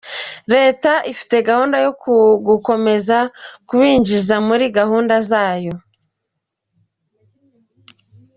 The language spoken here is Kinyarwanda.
Leta ifite gahunda yo gukomeza kubinjiza muri gahunda zayo.